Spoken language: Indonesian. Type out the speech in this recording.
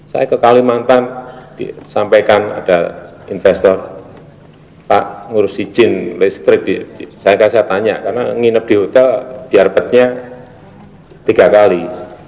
saya ke kalimantan disampaikan ada investor pak ngurus izin listrik saya tanya karena nginep di hotel biar petnya tiga kali